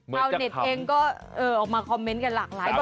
ชาวเน็ตเองก็ออกมาคอมเมนต์กันหลากหลาย